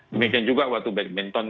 demikian juga waktu badminton